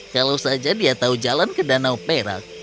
kalau saja dia tahu jalan ke danau perak